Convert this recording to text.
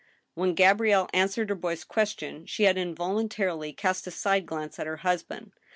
When Gabrielle answered her boy's question, she had involun tarily cast a side glance at her husband.